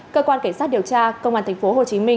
cơ quan cảnh sát điều tra công an tp hcm